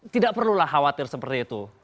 tidak perlulah khawatir seperti itu